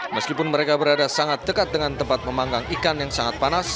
meskipun mereka berada sangat dekat dengan tempat pemanggang ikan yang sangat panas